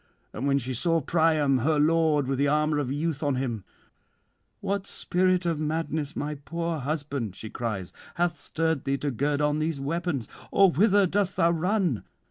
And when she saw Priam her lord with the armour of youth on him, "What spirit of madness, my poor husband," she cries, "hath stirred thee to gird on these weapons? or whither dost thou run?